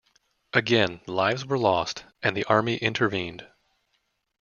Again, lives were lost, and the army intervened.